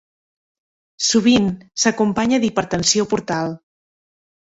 Sovint s'acompanya d'hipertensió portal.